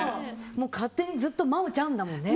勝手に、ずっと真央ちゃんだもんね。